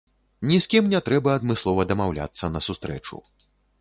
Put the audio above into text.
Ні з кім не трэба адмыслова дамаўляцца на сустрэчу.